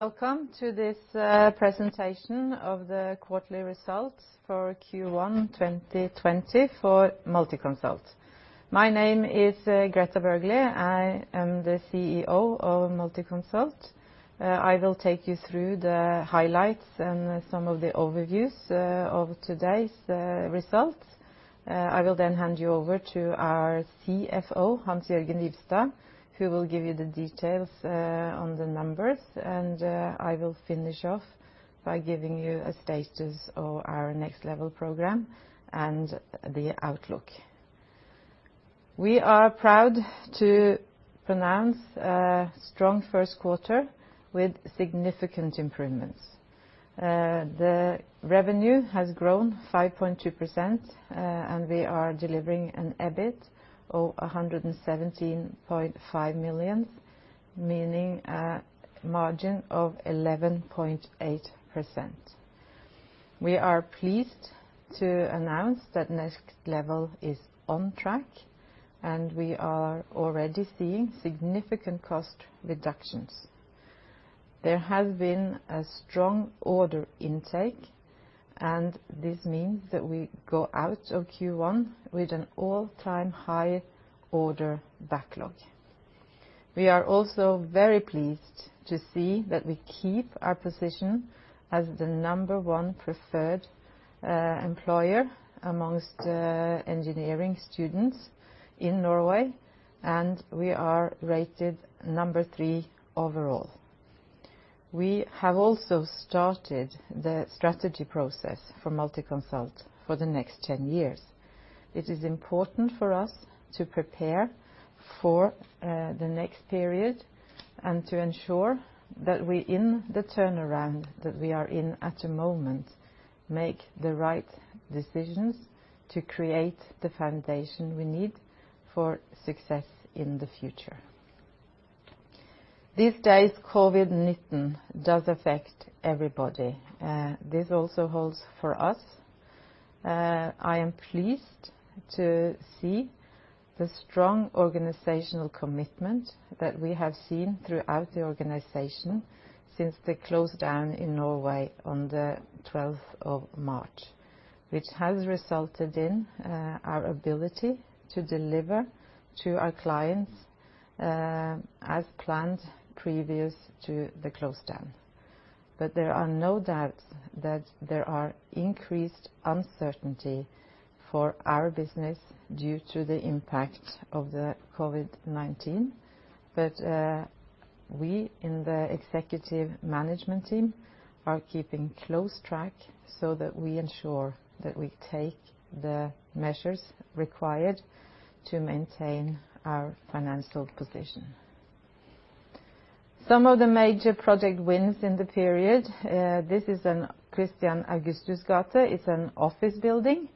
Welcome to this presentation of the quarterly results for Q1 2020 for Multiconsult. My name is Grethe Bergly. I am the CEO of Multiconsult. I will take you through the highlights and some of the overviews of today's results. I will then hand you over to our CFO, Hans-Jørgen Wibstad, who will give you the details on the numbers, and I will finish off by giving you a status of our nextLEVEL program and the outlook. We are proud to pronounce a strong first quarter with significant improvements. The revenue has grown 5.2%, and we are delivering an EBIT of 117.5 million, meaning a margin of 11.8%. We are pleased to announce that nextLEVEL is on track, and we are already seeing significant cost reductions. There has been a strong order intake, and this means that we go out of Q1 with an all-time high order backlog. We are also very pleased to see that we keep our position as the number one preferred employer amongst engineering students in Norway, and we are rated number three overall. We have also started the strategy process for Multiconsult for the next 10 years. It is important for us to prepare for the next period and to ensure that we, in the turnaround that we are in at the moment, make the right decisions to create the foundation we need for success in the future. These days, COVID-19 does affect everybody. This also holds for us. I am pleased to see the strong organizational commitment that we have seen throughout the organization since the close-down in Norway on the 12th of March, which has resulted in our ability to deliver to our clients as planned, previous to the close-down. There are no doubts that there are increased uncertainty for our business due to the impact of the COVID-19. We in the executive management team are keeping close track so that we ensure that we take the measures required to maintain our financial position. Some of the major project wins in the period. This is on Kristian Augusts gate. It's an office building,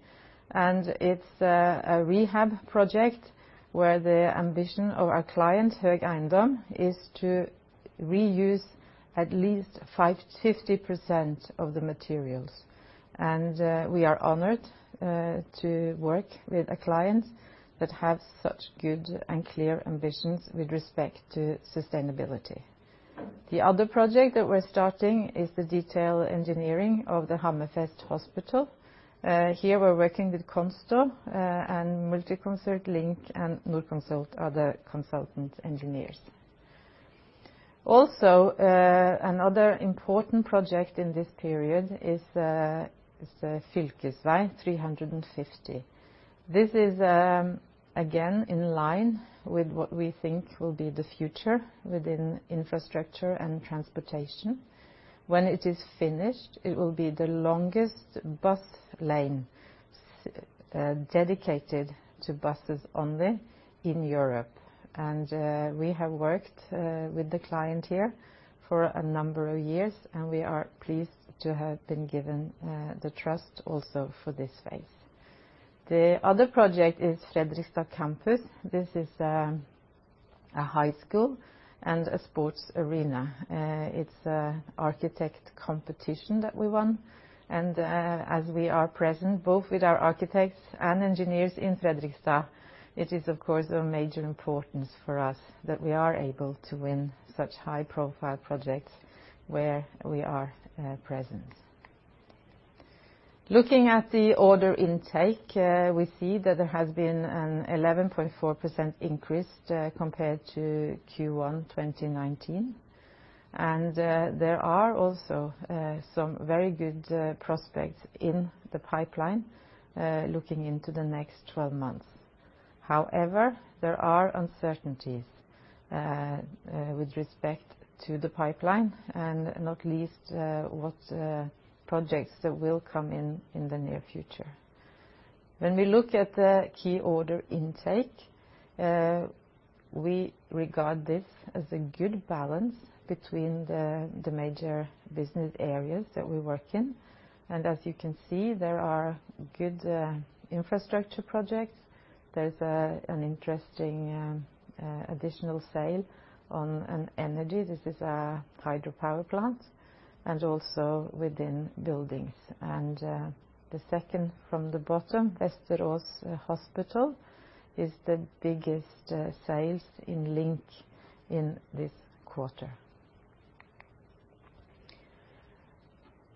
and it's a rehab project where the ambition of our client, Høegh Eiendom, is to reuse at least 50% of the materials. We are honored to work with a client that has such good and clear ambitions with respect to sustainability. The other project that we're starting is the detail engineering of the Hammerfest Hospital. Here, we're working with Consto and LINK arkitektur and Norconsult are the consultant engineers. Also, another important project in this period is Fylkesvei 350. This is, again, in line with what we think will be the future within infrastructure and transportation. When it is finished, it will be the longest bus lane dedicated to buses only in Europe. We have worked with the client here for a number of years, and we are pleased to have been given the trust also for this phase. The other project is Fredrikstad Campus. This is a high school and a sports arena. It's a architect competition that we won. As we are present, both with our architects and engineers in Fredrikstad, it is, of course, of major importance for us that we are able to win such high-profile projects where we are present. Looking at the order intake, we see that there has been an 11.4% increase compared to Q1 2019. There are also some very good prospects in the pipeline looking into the next 12 months. However, there are uncertainties with respect to the pipeline, and not least, what projects that will come in in the near future. When we look at the key order intake, we regard this as a good balance between the major business areas that we work in. As you can see, there are good infrastructure projects. There's an interesting additional sale on an energy. This is a hydropower plant. Also within buildings. The second from the bottom, Vestre Viken Hospital, is the biggest sales in LINK in this quarter.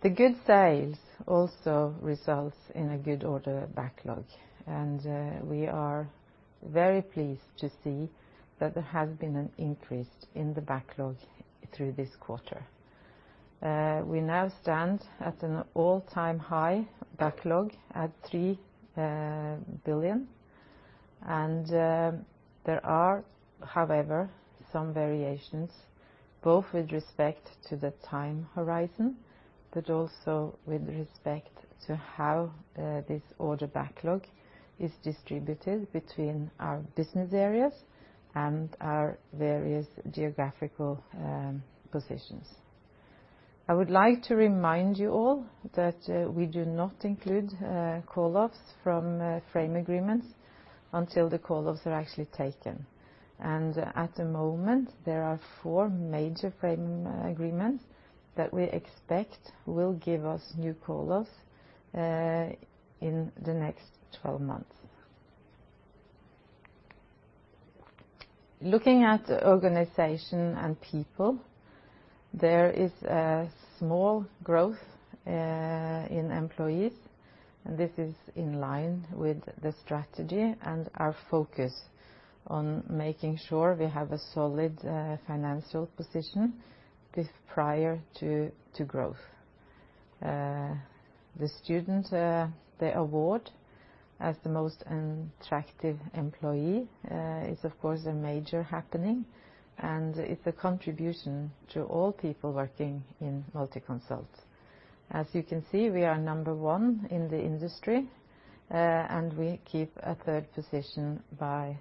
The good sales also results in a good order backlog. We are very pleased to see that there has been an increase in the backlog through this quarter. We now stand at an all-time high backlog at 3 billion. There are, however, some variations both with respect to the time horizon, but also with respect to how this order backlog is distributed between our business areas and our various geographical positions. I would like to remind you all that we do not include call-offs from frame agreements until the call-offs are actually taken. At the moment, there are four major frame agreements that we expect will give us new call-offs in the next 12 months. Looking at organization and people, there is a small growth in employees. This is in line with the strategy and our focus on making sure we have a solid financial position this prior to growth. The award as the most attractive employee is, of course, a major happening and it's a contribution to all people working in Multiconsult. As you can see, we are number one in the industry, and we keep a third position by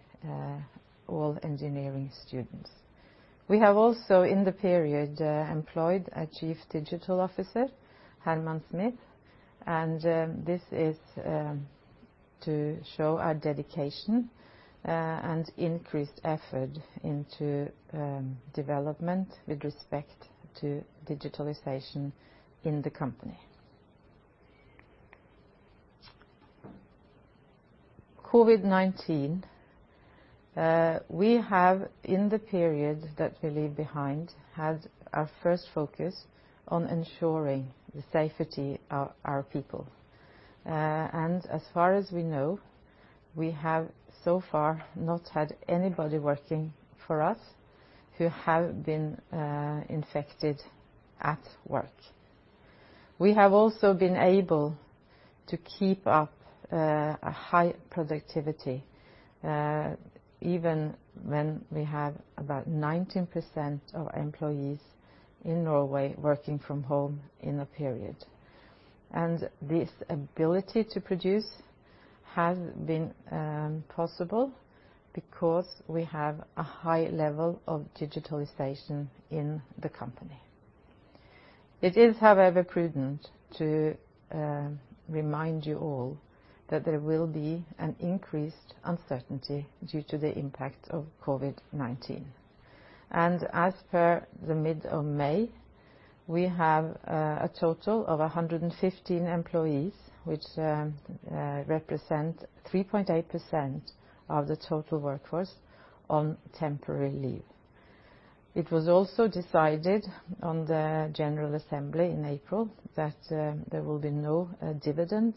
all engineering students. We have also in the period employed a Chief Digital Officer, Herman Smith, and this is to show our dedication and increased effort into development with respect to digitalization in the company. COVID-19, we have, in the period that we leave behind, had our first focus on ensuring the safety of our people. As far as we know, we have so far not had anybody working for us who have been infected at work. We have also been able to keep up a high productivity, even when we have about 19% of employees in Norway working from home in the period. This ability to produce has been possible because we have a high level of digitalization in the company. It is, however, prudent to remind you all that there will be an increased uncertainty due to the impact of COVID-19. As per the mid of May, we have a total of 115 employees, which represent 3.8% of the total workforce on temporary leave. It was also decided on the general assembly in April that there will be no dividend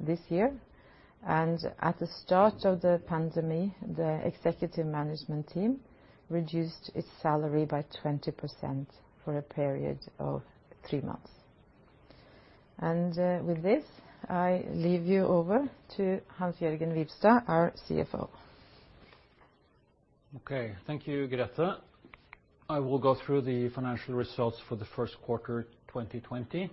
this year, and at the start of the pandemic, the executive management team reduced its salary by 20% for a period of three months. With this, I leave you over to Hans-Jørgen Wibstad, our CFO. Okay. Thank you, Grethe. I will go through the financial results for the first quarter 2020,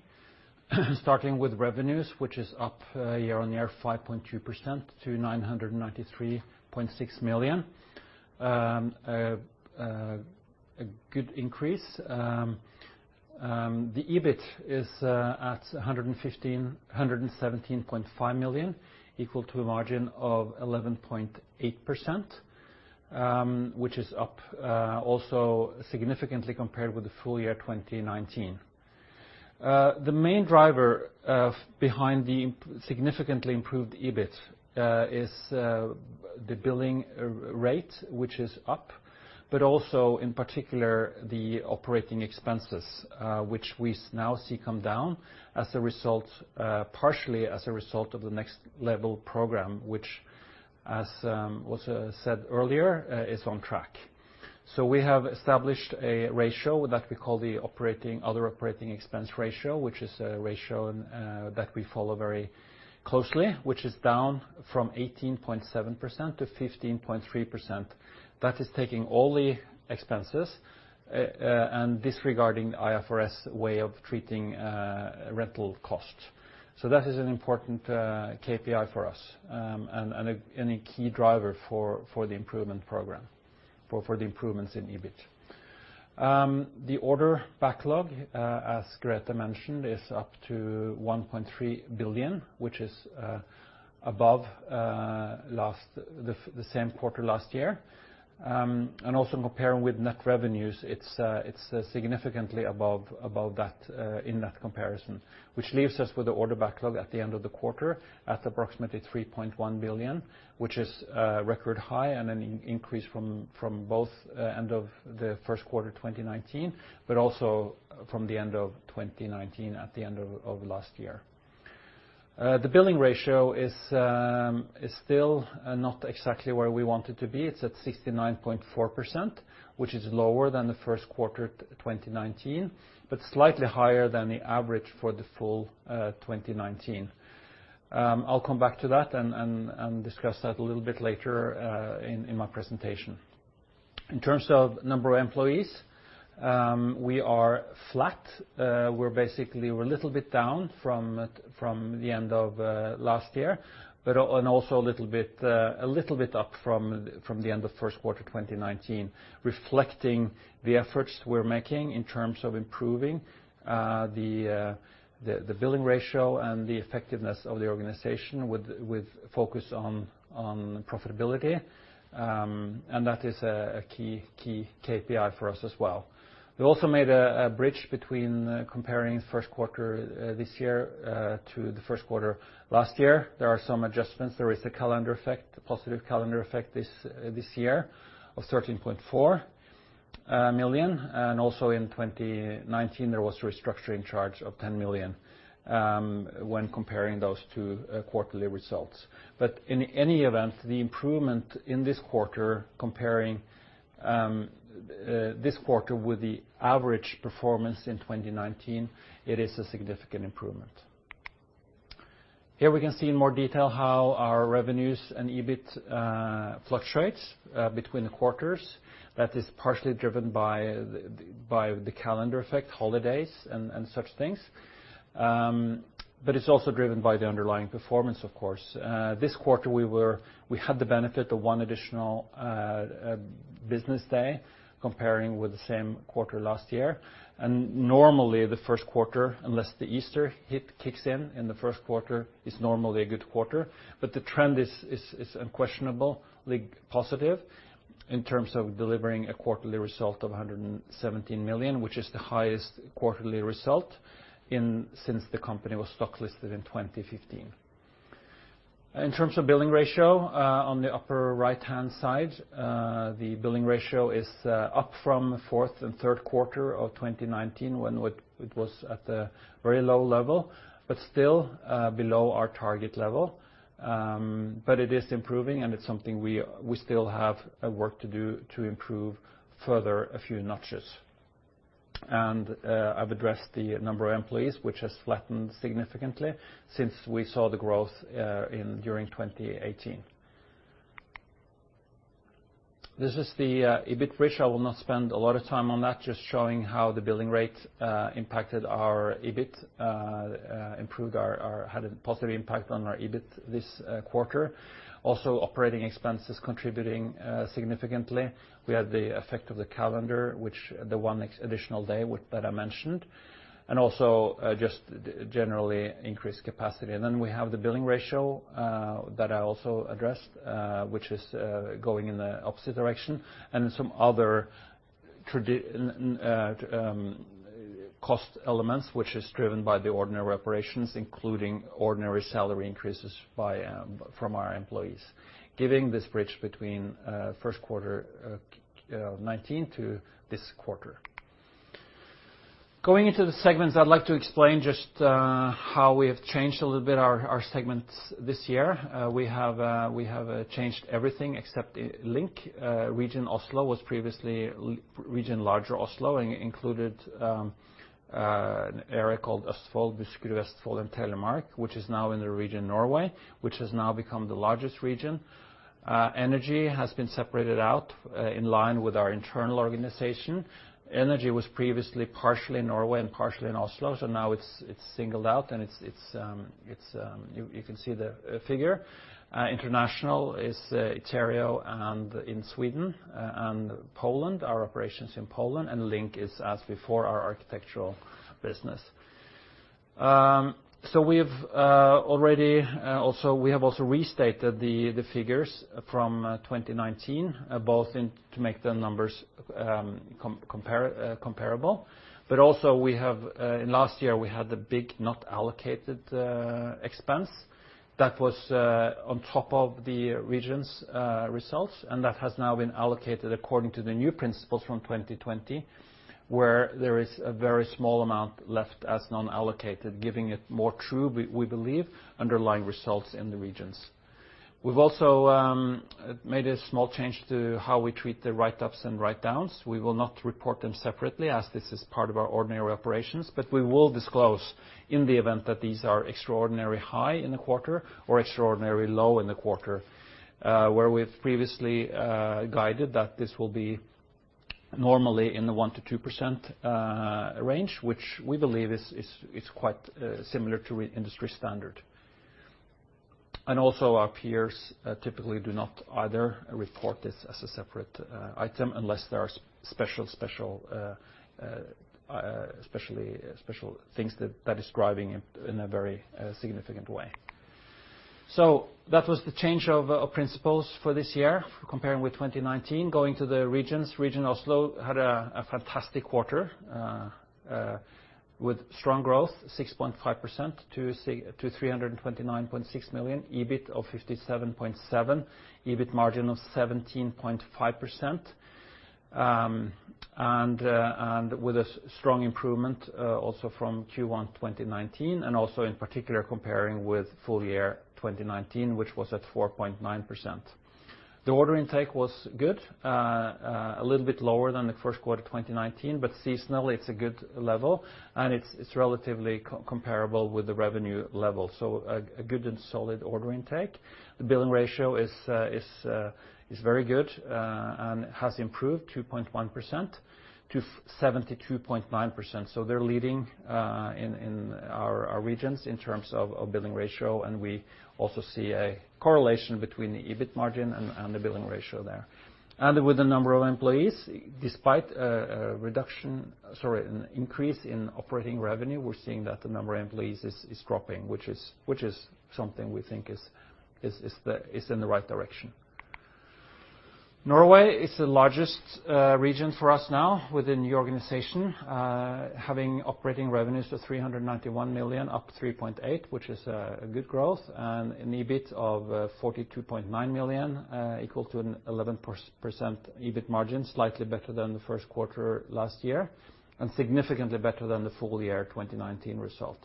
starting with revenues, which is up year-on-year 5.2% to 993.6 million. A good increase. The EBIT is at 117.5 million, equal to a margin of 11.8%, which is up also significantly compared with the full year 2019. The main driver behind the significantly improved EBIT is the billing rate, which is up, but also in particular the operating expenses, which we now see come down partially as a result of the nextLEVEL program, which as was said earlier, is on track. We have established a ratio that we call the other operating expense ratio, which is a ratio that we follow very closely, which is down from 18.7% to 15.3%. That is taking all the expenses, and disregarding the IFRS way of treating rental cost. That is an important KPI for us, and a key driver for the improvement program, for the improvements in EBIT. The order backlog, as Grethe mentioned, is up to 1.3 billion, which is above the same quarter last year. Also comparing with net revenues, it's significantly above that in that comparison, which leaves us with the order backlog at the end of the quarter at approximately 3.1 billion, which is a record high and an increase from both end of the first quarter 2019, but also from the end of 2019 at the end of last year. The billing ratio is still not exactly where we want it to be. It's at 69.4%, which is lower than the first quarter 2019, but slightly higher than the average for the full 2019. I'll come back to that and discuss that a little bit later in my presentation. In terms of number of employees, we are flat. We're basically a little bit down from the end of last year, and also a little bit up from the end of first quarter 2019, reflecting the efforts we're making in terms of improving the billing ratio and the effectiveness of the organization with focus on profitability. That is a key KPI for us as well. We also made a bridge between comparing first quarter this year to the first quarter last year. There are some adjustments. There is the positive calendar effect this year of 13.4 million, and also in 2019, there was a restructuring charge of 10 million when comparing those two quarterly results. In any event, the improvement in this quarter, comparing this quarter with the average performance in 2019, it is a significant improvement. Here we can see in more detail how our revenues and EBIT fluctuates between the quarters. That is partially driven by the calendar effect, holidays, and such things. It's also driven by the underlying performance, of course. This quarter, we had the benefit of one additional business day comparing with the same quarter last year. Normally the first quarter, unless the Easter hit kicks in the first quarter, it's normally a good quarter. The trend is unquestionably positive in terms of delivering a quarterly result of 117 million, which is the highest quarterly result since the company was stock listed in 2015. In terms of billing ratio, on the upper right-hand side, the billing ratio is up from fourth and third quarter of 2019 when it was at a very low level, but still below our target level. It is improving, and it's something we still have work to do to improve further a few notches. I've addressed the number of employees, which has flattened significantly since we saw the growth during 2018. This is the EBIT bridge. I will not spend a lot of time on that, just showing how the billing rate improved, had a positive impact on our EBIT this quarter. Operating expenses contributing significantly. We had the effect of the calendar, which the one additional day that I mentioned, just generally increased capacity. We have the billing ratio that I also addressed, which is going in the opposite direction. Some other cost elements, which is driven by the ordinary operations, including ordinary salary increases from our employees, giving this bridge between first quarter 2019 to this quarter. Going into the segments, I'd like to explain just how we have changed a little bit our segments this year. We have changed everything except Link. Region Oslo was previously Region Greater Oslo and included an area called Østfold, Buskerud, Vestfold, and Telemark, which is now in the Region Norway, which has now become the largest region. Energy has been separated out in line with our internal organization. Energy was previously partially Norway and partially in Oslo, so now it's singled out and you can see the figure. International is Iterio and in Sweden and Poland, our operations in Poland, and Link is as before our architectural business. We have also restated the figures from 2019, both to make the numbers comparable, but also last year, we had the big not allocated expense that was on top of the regions' results, and that has now been allocated according to the new principles from 2020, where there is a very small amount left as non-allocated, giving it more true, we believe, underlying results in the regions. We've also made a small change to how we treat the write-ups and write-downs. We will not report them separately as this is part of our ordinary operations, but we will disclose in the event that these are extraordinarily high in the quarter or extraordinarily low in the quarter, where we've previously guided that this will be normally in the 1%-2% range, which we believe is quite similar to industry standard. Also our peers typically do not either report this as a separate item unless there are special things that is driving it in a very significant way. That was the change of principles for this year comparing with 2019. Going to the regions, Region Oslo had a fantastic quarter with strong growth, 6.5% to 329.6 million, EBIT of 57.7, EBIT margin of 17.5%. With a strong improvement also from Q1 2019 and also in particular comparing with full year 2019, which was at 4.9%. The order intake was good. A little bit lower than the first quarter 2019, seasonally it's a good level and it's relatively comparable with the revenue level. A good and solid order intake. The billing ratio is very good and has improved 2.1% to 72.9%. They're leading in our regions in terms of billing ratio, and we also see a correlation between the EBIT margin and the billing ratio there. With the number of employees, despite an increase in operating revenue, we're seeing that the number of employees is dropping, which is something we think is in the right direction. Norway is the largest region for us now within the organization, having operating revenues of 391 million, up 3.8%, which is a good growth, and an EBIT of 42.9 million, equal to an 11% EBIT margin, slightly better than the first quarter last year, and significantly better than the full year 2019 result.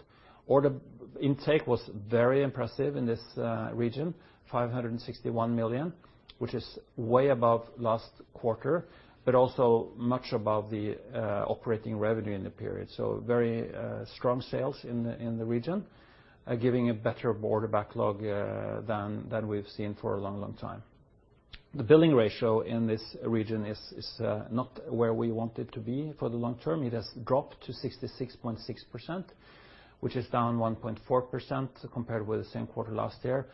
Order intake was very impressive in this region, 561 million, which is way above last quarter, but also much above the operating revenue in the period. Very strong sales in the region, giving a better Order backlog than we've seen for a long time. The Billing ratio in this region is not where we want it to be for the long term. It has dropped to 66.6%, which is down 1.4% compared with the same quarter last year,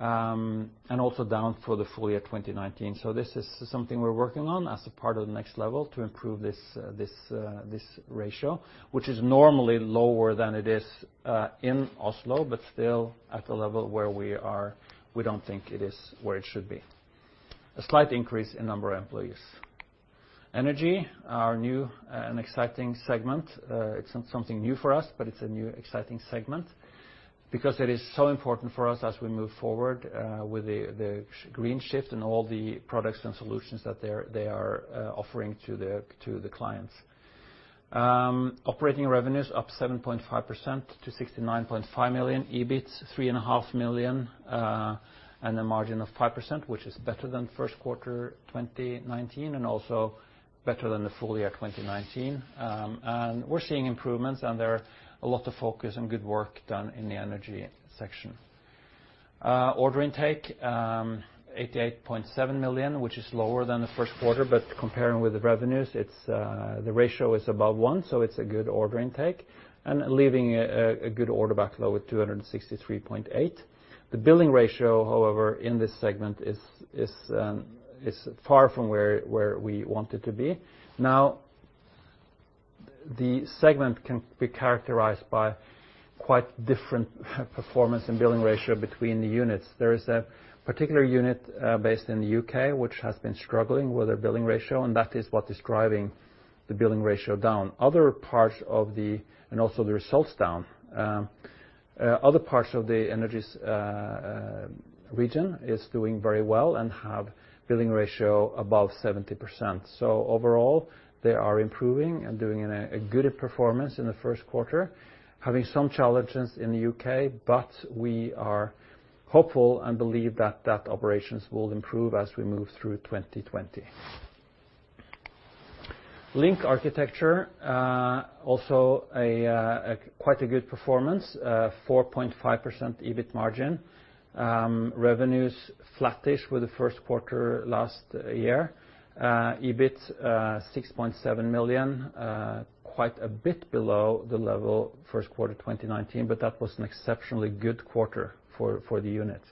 and also down for the full year 2019. This is something we're working on as a part of the nextLEVEL to improve this ratio, which is normally lower than it is in Oslo, but still at a level where we don't think it is where it should be. A slight increase in number of employees. Energy, our new and exciting segment. It's not something new for us, but it's a new exciting segment because it is so important for us as we move forward with the green shift and all the products and solutions that they are offering to the clients. Operating revenues up 7.5% to 69.5 million, EBIT 3.5 million, and a margin of 5%, which is better than first quarter 2019 and also better than the full year 2019. We're seeing improvements and there are a lot of focus and good work done in the Energy section. Order intake, 88.7 million, which is lower than the first quarter. Comparing with the revenues, the ratio is above one, it's a good Order intake and leaving a good Order backlog with 263.8 million. The billing ratio, however, in this segment is far from where we want it to be. The segment can be characterized by quite different performance and billing ratio between the units. There is a particular unit based in the U.K. which has been struggling with their billing ratio. That is what is driving the billing ratio down and also the results down. Other parts of the energies region is doing very well and have billing ratio above 70%. Overall, they are improving and doing a good performance in the first quarter, having some challenges in the U.K., but we are hopeful and believe that operations will improve as we move through 2020. LINK arkitektur, also quite a good performance, 4.5% EBIT margin. Revenues flattish with the first quarter last year. EBIT, 6.7 million, quite a bit below the level first quarter 2019, but that was an exceptionally good quarter for the unit.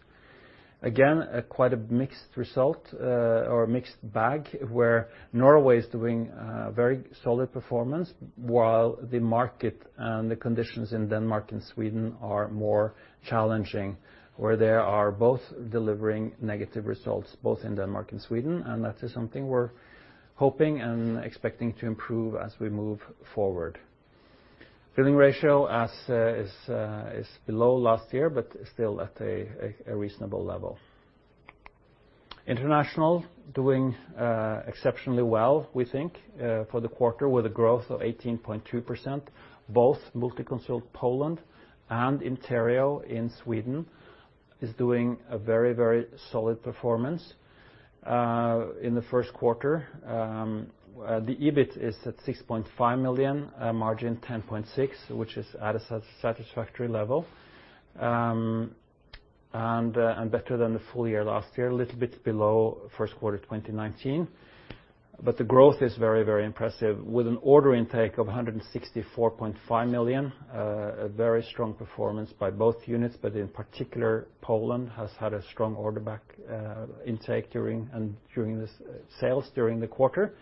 Again, quite a mixed result or mixed bag where Norway is doing a very solid performance while the market and the conditions in Denmark and Sweden are more challenging, where they are both delivering negative results both in Denmark and Sweden and that is something we're hoping and expecting to improve as we move forward. Billing ratio is below last year, but still at a reasonable level. International doing exceptionally well, we think, for the quarter with a growth of 18.2%. Both Multiconsult Polska and Iterio in Sweden is doing a very solid performance in the first quarter. The EBIT is at 6.5 million, margin 10.6%, which is at a satisfactory level and better than the full year last year, a little bit below first quarter 2019. The growth is very impressive, with an order intake of 164.5 million. A very strong performance by both units, but in particular, Poland has had a strong order intake and sales during the quarter,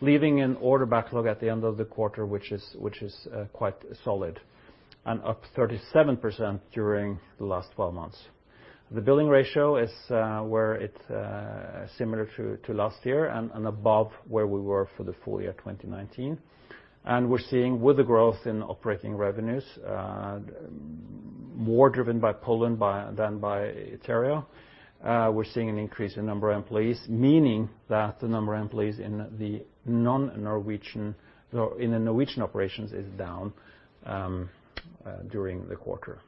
leaving an order backlog at the end of the quarter which is quite solid and up 37% during the last 12 months. The billing ratio is where it's similar to last year and above where we were for the full year 2019. We're seeing with the growth in operating revenues, more driven by Poland than by Iterio. We're seeing an increase in number of employees, meaning that the number of employees in the Norwegian operations is down during the quarter.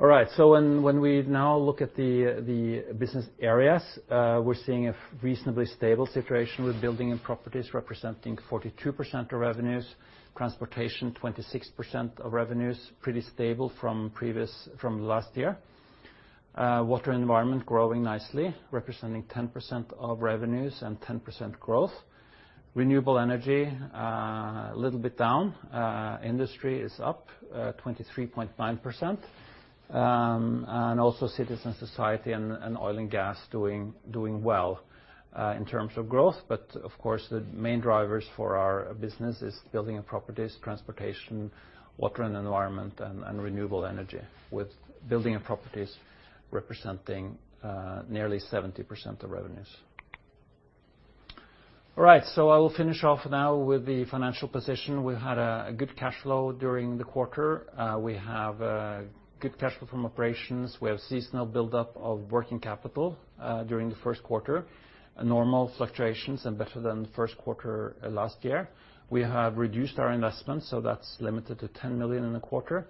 When we now look at the business areas, we're seeing a reasonably stable situation with building and properties representing 42% of revenues, transportation 26% of revenues, pretty stable from last year. Water and environment growing nicely, representing 10% of revenues and 10% growth. Renewable energy, a little bit down. Industry is up 23.9%. Also cities and society and oil and gas doing well in terms of growth. The main drivers for our business is building and properties, transportation, water and environment, and renewable energy, with building and properties representing nearly 70% of revenues. I will finish off now with the financial position. We had a good cash flow during the quarter. We have good cash flow from operations. We have seasonal buildup of working capital during the first quarter. Normal fluctuations and better than the first quarter last year. We have reduced our investments, so that's limited to 10 million in a quarter.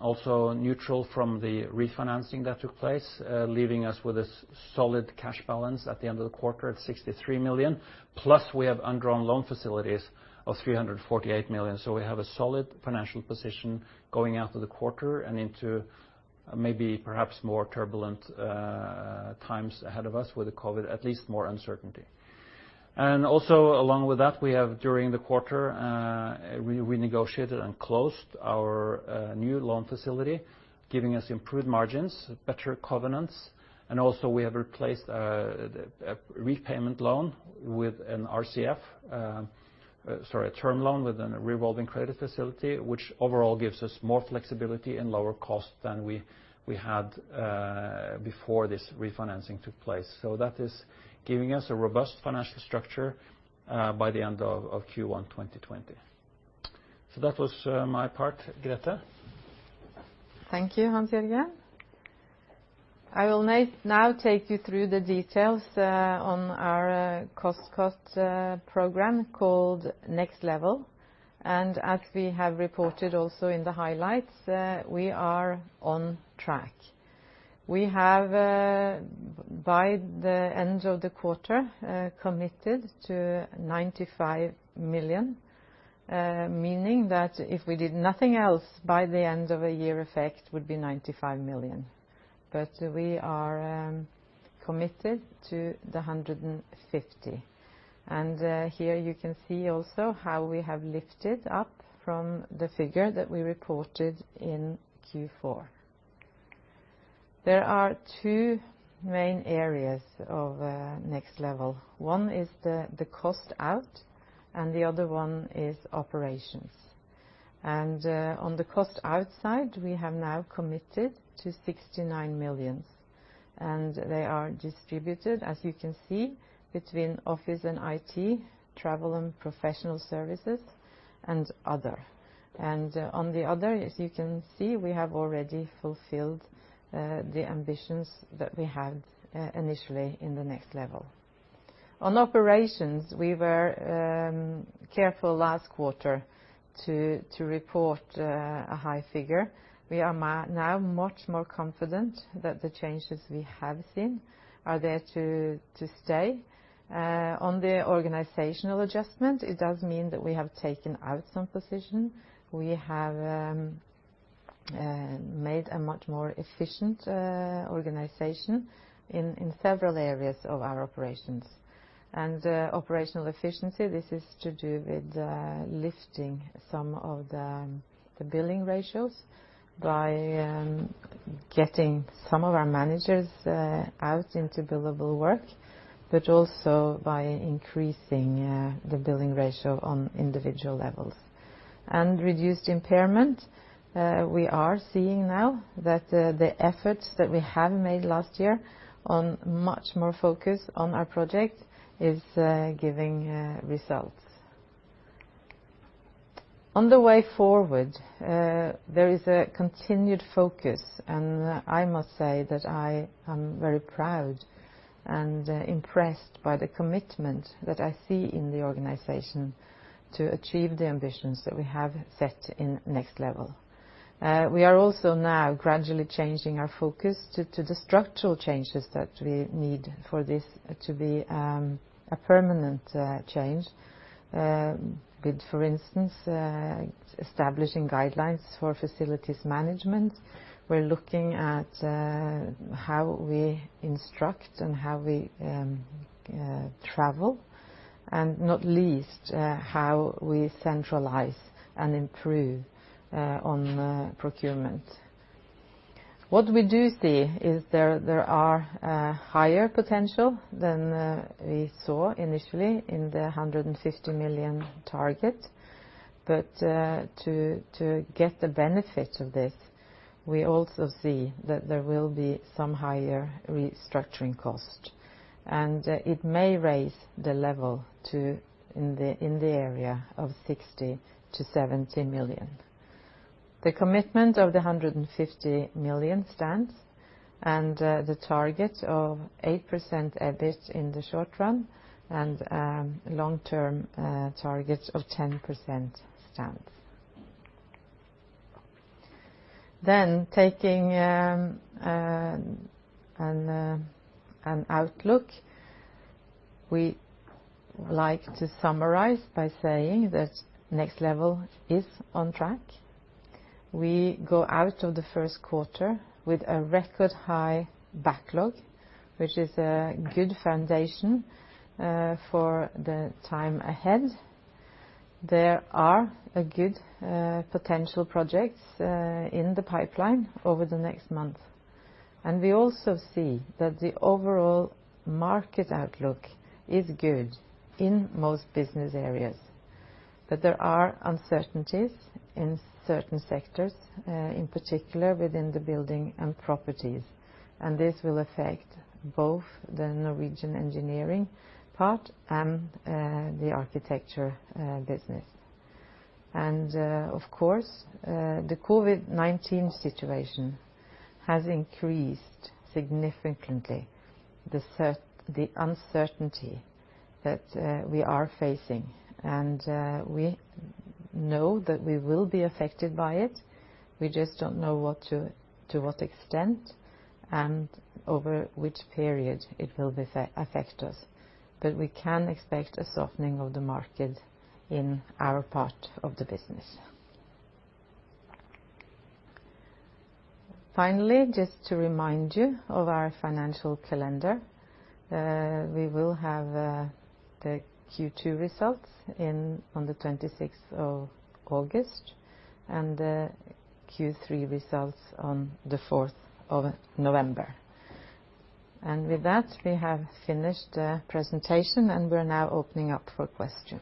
Also neutral from the refinancing that took place, leaving us with a solid cash balance at the end of the quarter at 63 million, plus we have undrawn loan facilities of 348 million. We have a solid financial position going out of the quarter and into maybe perhaps more turbulent times ahead of us with the COVID-19, at least more uncertainty. Also along with that, we have during the quarter, we negotiated and closed our new loan facility, giving us improved margins, better covenants. We have replaced a term loan with a revolving credit facility, which overall gives us more flexibility and lower cost than we had before this refinancing took place. That is giving us a robust financial structure, by the end of Q1 2020. That was my part. Grethe? Thank you, Hans-Jørgen. I will now take you through the details on our cost program called nextLEVEL. As we have reported also in the highlights, we are on track. We have by the end of the quarter, committed to 95 million, meaning that if we did nothing else by the end of a year effect would be 95 million. We are committed to the 150 million. Here you can see also how we have lifted up from the figure that we reported in Q4. There are two main areas of nextLEVEL. One is the cost out and the other one is operations. On the cost out side, we have now committed to 69 million. They are distributed, as you can see, between office and IT, travel and professional services and other. On the other, as you can see, we have already fulfilled the ambitions that we had initially in the nextLEVEL. On operations, we were careful last quarter to report a high figure. We are now much more confident that the changes we have seen are there to stay. On the organizational adjustment, it does mean that we have taken out some position. We have made a much more efficient organization in several areas of our operations. Operational efficiency, this is to do with lifting some of the billing ratios by getting some of our managers out into billable work, but also by increasing the billing ratio on individual levels. Reduced impairment, we are seeing now that the efforts that we have made last year on much more focus on our project is giving results. On the way forward, there is a continued focus. I must say that I am very proud and impressed by the commitment that I see in the organization to achieve the ambitions that we have set in nextLEVEL. We are also now gradually changing our focus to the structural changes that we need for this to be a permanent change. Good, for instance, establishing guidelines for facilities management. We're looking at how we instruct and how we travel, and not least, how we centralize and improve on procurement. What we do see is there are higher potential than we saw initially in the 150 million target. To get the benefit of this, we also see that there will be some higher restructuring cost, and it may raise the level to in the area of 60 million to 70 million. The commitment of the 150 million stands, and the target of 8% EBIT in the short run, and long-term targets of 10% stands. Taking an outlook, we like to summarize by saying that nextLEVEL is on track. We go out of the first quarter with a record high backlog, which is a good foundation for the time ahead. There are a good potential projects in the pipeline over the next month. We also see that the overall market outlook is good in most business areas, but there are uncertainties in certain sectors, in particular within the building and properties, and this will affect both the Norwegian engineering part and the architecture business. Of course, the COVID-19 situation has increased significantly, the uncertainty that we are facing, and we know that we will be affected by it. We just don't know to what extent and over which period it will affect us. We can expect a softening of the market in our part of the business. Finally, just to remind you of our financial calendar, we will have the Q2 results on the 26th of August, and the Q3 results on the 4th of November. With that, we have finished the presentation, and we're now opening up for questions.